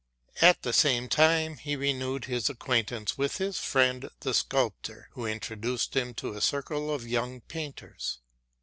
At the same time he renewed his acquaintance with his friend the sculptor, who introduced him to a circle of young painters.